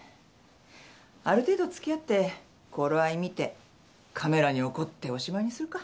ある程度つきあって頃合い見てカメラに怒っておしまいにするか。